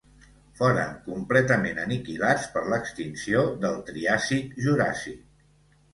Foren completament aniquilats per l'extinció del Triàsic-Juràssic.